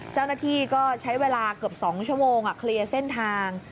เจ้าหน้าที่ก็ใช้เวลาเกือบ๒ชั่วโมงเคลียร์เส้นทาง